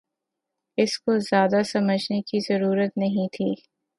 اس کو زیادہ سمجھنے کی ضرورت نہیں تھی